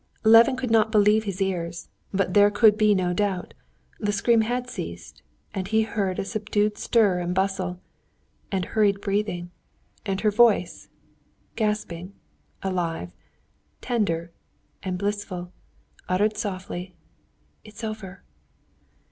Levin could not believe his ears, but there could be no doubt; the scream had ceased and he heard a subdued stir and bustle, and hurried breathing, and her voice, gasping, alive, tender, and blissful, uttered softly, "It's over!"